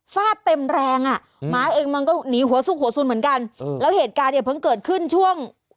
ฟาดเต็มแรงอ่ะหมาเองมันก็หนีหัวสุกหัวสุนเหมือนกันแล้วเหตุการณ์เนี่ยเพิ่งเกิดขึ้นช่วง